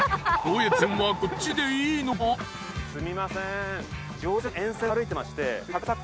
すみません。